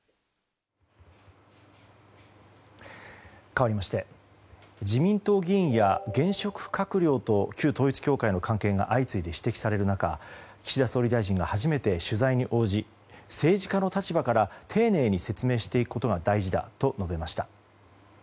かわりまして自民党議員や現職閣僚と旧統一教会の関係が相次いで指摘される中岸田総理大臣が初めて取材に応じ政治家の立場から丁寧に説明していくことが大事だと述べました。